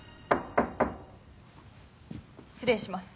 失礼します。